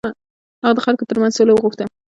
هغه د خلکو تر منځ سوله وغوښته.